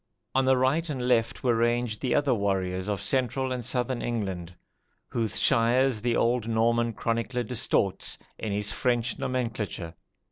On the right and left were ranged the other warriors of central and southern England, whose shires the old Norman chronicler distorts in his French nomenclature.